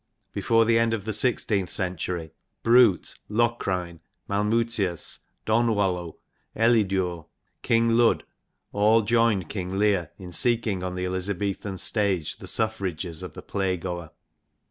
Before the end of the sixteenth century Brute, Locrine, Malmutius Donwallow, Elidure, King Lud, all joined King Lear in seeking on the Elizabethan stage the suffrages of the play goer.